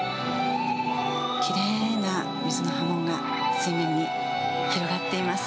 奇麗な水の波紋が水面に広がっています。